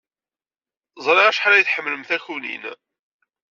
Ẓriɣ acḥal ay tḥemmlem takunin.